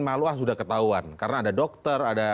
mahlukah sudah ketahuan karena ada dokter